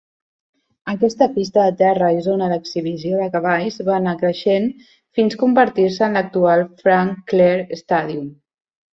Aquesta pista de terra i zona d'exhibició de cavalls va anar creixent fins convertir-se en l'actual Frank Clair Stadium.